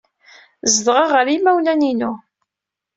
Zedɣeɣ ɣer yimawlan-inu.